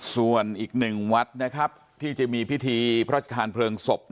ส่วนอีก๑วัดนะครับที่จะมีพิธีพระราชทานเพลิงศพ